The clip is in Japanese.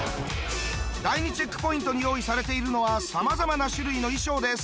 第２チェックポイントに用意されているのはさまざまな種類の衣装です。